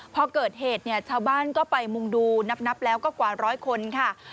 พอเกิดเหตุเนี่ยชาวบ้านก็ไปมุงดูนับแล้วก็กว่าร้อยคนค่ะ